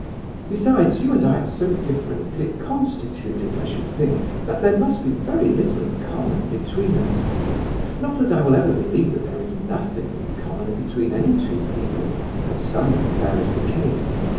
Besides, you and I are so differently constituted, I should think, that there must be very little in common between us. Not that I will ever believe there is nothing in common between any two people, as some declare is the case.